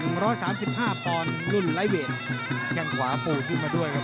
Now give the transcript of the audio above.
หนึ่งร้อยสามสิบห้าพรรุ่นไลฟ์เวทแก้งขวาพูดขึ้นมาด้วยครับ